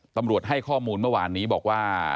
ตำรวจให้ข้อมูลเมื่อวานนี้บอกว่า